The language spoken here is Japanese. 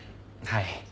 はい。